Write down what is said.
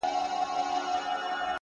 چي نه عادت نه ضرورت وو’ مينا څه ډول وه’